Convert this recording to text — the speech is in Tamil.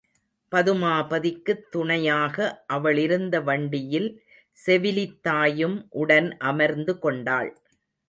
பதுமாபதிக்குத் துணையாக அவளிருந்த வண்டியில் செவிலித்தாயும் உடன் அமர்ந்து கொண்டாள்.